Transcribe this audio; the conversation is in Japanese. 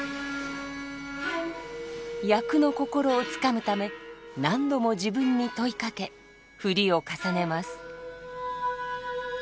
「役の心」をつかむため何度も自分に問いかけ振りを重ねます。